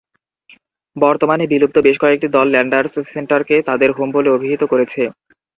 বর্তমানে বিলুপ্ত বেশ কয়েকটি দল ল্যান্ডার্স সেন্টারকে তাদের হোম বলে অভিহিত করেছে।